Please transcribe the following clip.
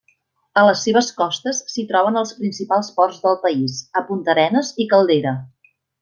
A les seves costes s'hi troben els principals ports del país, a Puntarenas i Caldera.